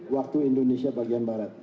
waktu indonesia bagian barat